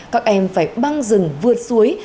các em phải băng rừng vượt suối